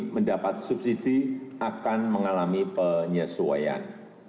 mendapat subsidi akan mengalami penyesuaian